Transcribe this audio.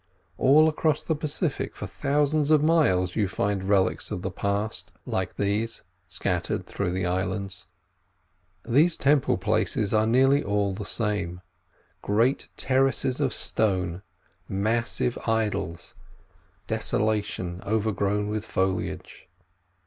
All across the Pacific for thousands of miles you find relics of the past, like these scattered through the islands. These temple places are nearly all the same: great terraces of stone, massive idols, desolation overgrown with foliage.